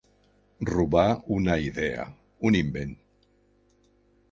Robar una idea, un invent.